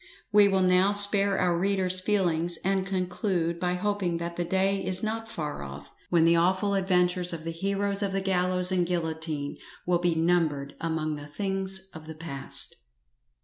We will now spare our reader's feelings, and conclude by hoping that the day is not far off, when the awful adventures of the heroes of the gallows and guillotine will be numbered among the things of the past.